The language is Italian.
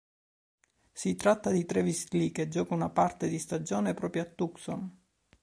Si tratta di Travis Lee che gioca una parte di stagione proprio a Tucson.